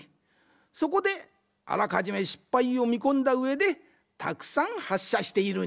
そこであらかじめ失敗をみこんだうえでたくさんはっしゃしているんじゃ。